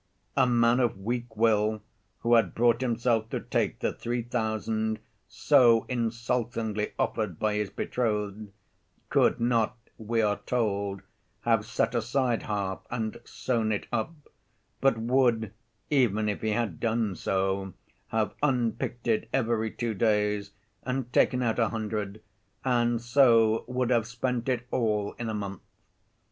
A man of weak will, who had brought himself to take the three thousand so insultingly offered by his betrothed, could not, we are told, have set aside half and sewn it up, but would, even if he had done so, have unpicked it every two days and taken out a hundred, and so would have spent it all in a month.